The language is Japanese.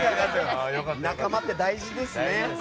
仲間って大事ですね。